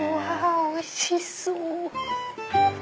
おいしそう！